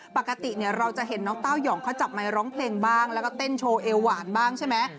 ปกติเนี่ยเราจะเห็นน้องเต้ายองเขาจับไมค์ร้องเพลงบ้างแล้วก็เต้นโชว์เอวหวานบ้างใช่ไหม